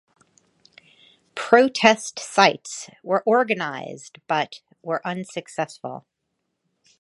Protest sites were organized but were unsuccessful.